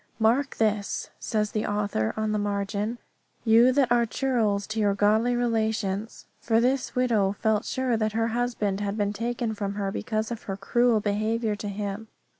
"Mark this," says the author on the margin, "you that are churls to your godly relations." For this widow felt sure that her husband had been taken from her because of her cruel behaviour to him.